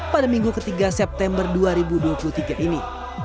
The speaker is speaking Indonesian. pada minggu ketiga september dua ribu dua puluh tiga ini